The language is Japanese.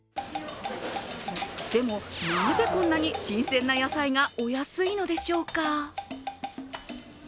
でも、なぜこんなに新鮮な野菜がお安いのでしょうか。